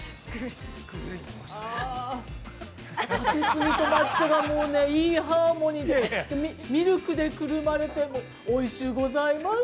竹炭と抹茶がいいハーモニーで、ミルクでくるまれて、おいしゅうございます。